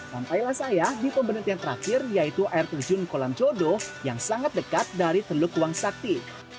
sampailah saya di pemberhentian terakhir yaitu air terjun kolam jodoh yang sangat dekat dari teluk wangsakti